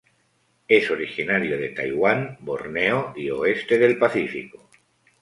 Es originario de Taiwán, Borneo y oeste del Pacífico.